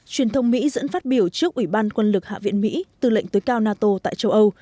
truyền thông mỹ dẫn phát biểu trước ủy ban quân lực hạ viện mỹ tư lệnh tối cao nato tại châu âu